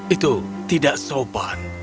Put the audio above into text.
itu tidak sopan